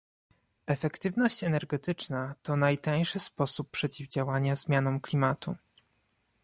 Efektywność energetyczna to najtańszy sposób przeciwdziałania zmianom klimatu